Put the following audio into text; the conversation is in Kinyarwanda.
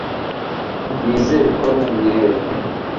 nizera ko ari umwere